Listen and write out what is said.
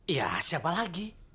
ya siapa lagi